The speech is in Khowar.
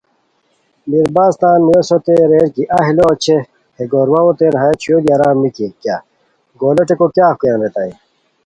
میرباز تان نوویسوتین ریر کی ایہہ لُو اوچھے ہے گور واؤتین ہیہ چھویو دی آرام نِکی کیہ، گولُو ٹیکو کیاغ کویان ریتائے